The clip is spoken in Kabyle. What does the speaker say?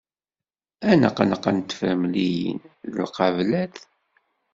Aneqneq n tefremliyin d lqablat.